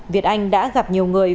việt anh đã gặp nhiều người